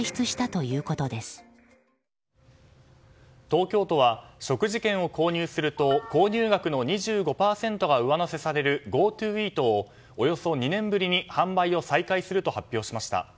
東京都は食事券を購入すると購入額の２５％が上乗せされるＧｏＴｏイートをおよそ２年ぶりに販売を再開すると発表しました。